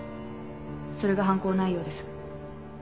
それが犯行内容です。